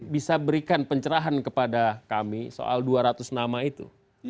bisa berikan pencerahan kepada kami soal dua ratus nama itu